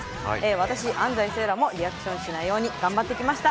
私、安斉星来もリアクションしないように頑張りました。